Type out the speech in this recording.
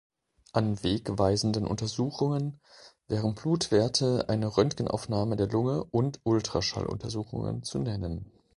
An wegweisenden Untersuchungen wären Blutwerte, eine Röntgenaufnahme der Lunge und Ultraschalluntersuchungen zu nennen.